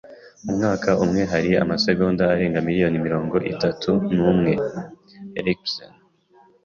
Mu mwaka umwe hari amasegonda arenga miliyoni mirongo itatu n'umwe. (erikspen)